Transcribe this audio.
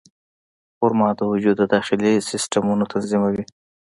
خرما د وجود د داخلي سیستمونو تنظیموي.